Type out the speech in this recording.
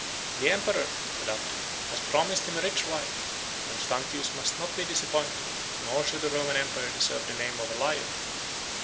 "The emperor" (said Attila) "has long promised him a rich wife: Constantius must not be disappointed; nor should a Roman emperor deserve the name of liar."